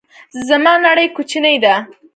زما نړۍ کوچنۍ ده